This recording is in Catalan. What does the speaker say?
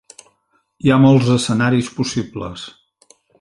Hi ha molts escenaris possibles.